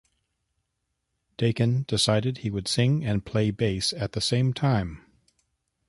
Dakin decided he would sing and play bass at the same time.